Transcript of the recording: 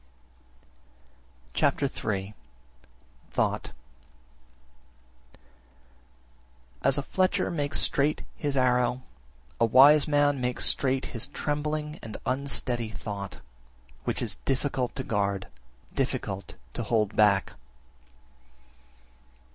Chapter III. Thought 33. As a fletcher makes straight his arrow, a wise man makes straight his trembling and unsteady thought, which is difficult to guard, difficult to hold back.